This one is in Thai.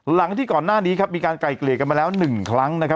หลังที่ก่อนหน้านี้ครับมีการไก่เกลี่ยกันมาแล้วหนึ่งครั้งนะครับ